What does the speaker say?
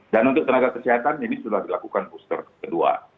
untuk tenaga kesehatan ini sudah dilakukan booster kedua